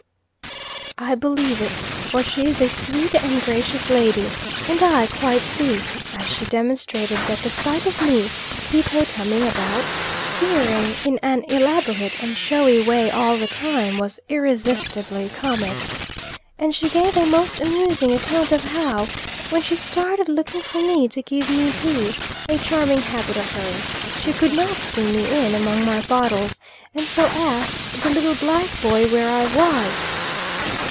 I believe it, for she is a sweet and gracious lady; and I quite see, as she demonstrated, that the sight of me, teetotumming about, steering in an elaborate and showy way all the time, was irresistibly comic. And she gave a most amusing account of how, when she started looking for me to give me tea, a charming habit of hers, she could not see me in among my bottles, and so asked the little black boy where I was.